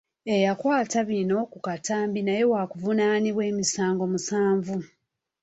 Eyakwata bino ku katambi naye waakuvunaanibwa emisango musanvu.